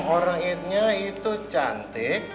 orangnya itu cantik